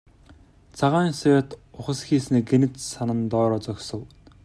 Цагаан соёот ухасхийснээ гэнэт санан доороо зогсов.